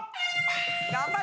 頑張れ！